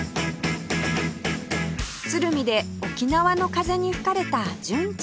鶴見で沖縄の風に吹かれた純ちゃん